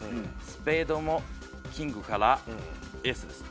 スペードもキングからエースです。